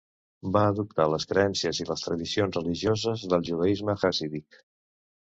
Va adoptar les creences i les tradicions religioses del judaisme hassídic.